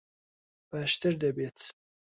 باشتر دەبێت.